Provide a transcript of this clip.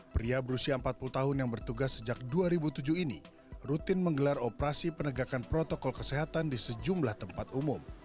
pria berusia empat puluh tahun yang bertugas sejak dua ribu tujuh ini rutin menggelar operasi penegakan protokol kesehatan di sejumlah tempat umum